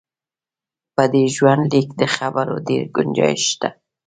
په دې ژوندلیک د خبرو ډېر ګنجایش شته.